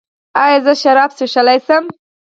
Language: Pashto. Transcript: ایا زه شراب څښلی شم؟